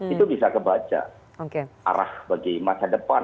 itu bisa kebaca arah bagi masa depan